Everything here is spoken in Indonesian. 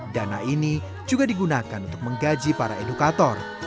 dana ini juga digunakan untuk menggaji para edukator